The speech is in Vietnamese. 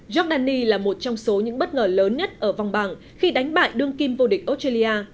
giordani là một trong số những bất ngờ lớn nhất ở vòng bảng khi đánh bại đương kim vô địch australia